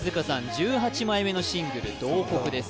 １８枚目のシングル「慟哭」です